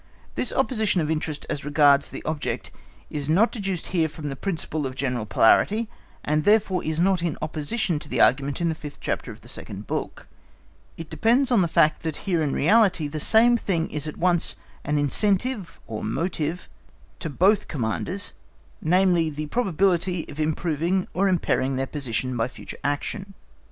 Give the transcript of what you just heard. This opposition of interest as regards the object is not deduced here from the principle of general polarity, and therefore is not in opposition to the argument in the fifth chapter of the second book; it depends on the fact that here in reality the same thing is at once an incentive or motive to both commanders, namely the probability of improving or impairing their position by future action.